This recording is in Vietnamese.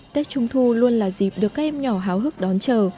tết trung thu luôn là dịp được các em nhỏ háo hức đón chờ